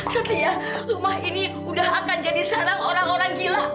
setia rumah ini udah akan jadi sarang orang orang gila